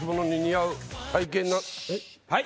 はい。